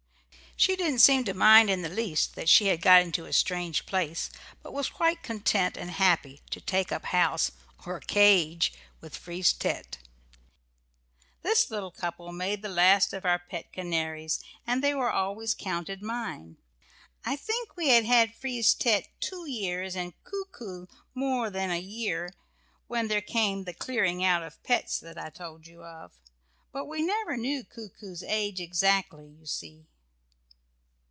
She didn't seem to mind in the least that she had got into a strange place, but was quite content and happy to take up house, or "cage," with Frise tête. This little couple made the last of our pet canaries, and they were always counted mine. I think we had had Frise tête two years, and Coo coo more than a year, when there came the clearing out of pets that I told you of. But we never knew Coo coo's age exactly, you see.